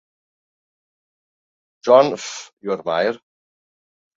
John Ph. yw'r maer.